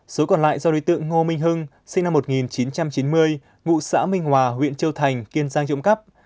số còn lại do đối tượng ngô minh hưng sinh năm một nghìn chín trăm chín mươi ngụ xã minh hòa huyện châu thành kiên giang trộm cắp